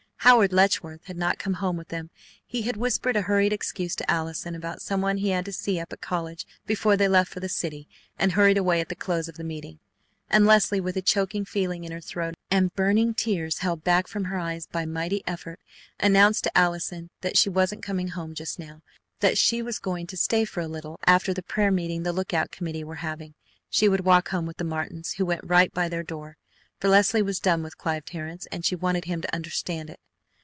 Howard Letchworth had not come home with them. He had whispered a hurried excuse to Allison about someone he had to see up at college before they left for the city, and hurried away at the close of the meeting, and Leslie with a choking feeling in her throat and burning tears held back from her eyes by mighty effort, announced to Allison that she wasn't coming home just now, she was going to stay for a little after prayer meeting the Lookout Committee were having. She would walk home with the Martins, who went right by their door. For Leslie was done with Clive Terrence and she wanted him to understand it.